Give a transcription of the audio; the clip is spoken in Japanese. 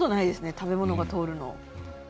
食べ物が通るの。